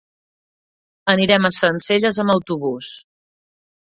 Anirem a Sencelles amb autobús.